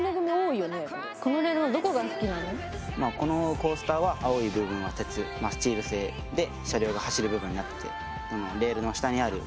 まあこのコースターは青い部分は鉄まあスチール製で車両が走る部分になっててレールの下にある